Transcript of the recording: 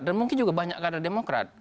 dan mungkin juga banyak kader demokrat